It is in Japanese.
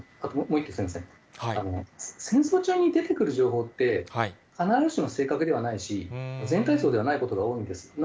もう一個、すみません、戦争中に出てくる情報って、必ずしも正確ではないし、全体像ではないことが多いんです。